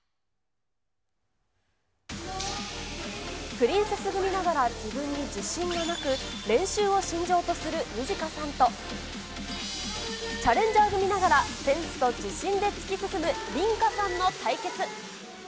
プリンセス組ながら、自分に自信がなく、練習を信条とするニジカさんと、チャレンジャー組ながら、センスと自信で突き進むリンカさんの対決。